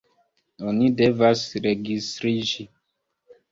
Oni devas registriĝi.